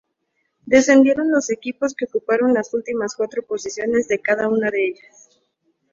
Descendieron los equipos que ocuparon las últimas cuatro posiciones de cada una de ellas.